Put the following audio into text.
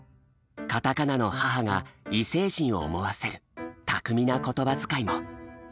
カタカナの「ハハ」が異星人を思わせる巧みな言葉づかいも。